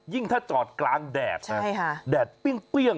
ยิ่งถ้าจอดกลางแดดแดดเปี้ยง